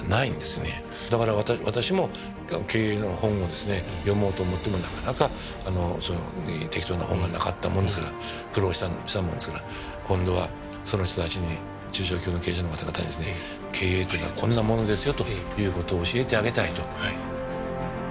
だから私も経営の本を読もうと思ってもなかなか適当な本がなかったもんですから苦労したもんですから今度はその人たちに中小企業の経営者の方々にですね経営というのはこんなものですよということを教えてあげたいと。